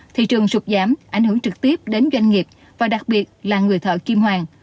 thị trường sụt giảm ảnh hưởng trực tiếp đến doanh nghiệp và đặc biệt là người thợ kim hoàng